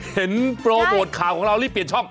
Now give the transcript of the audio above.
โปรโมทข่าวของเรารีบเปลี่ยนช่อง